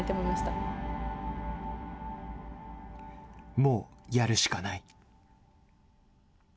もうやるしかない。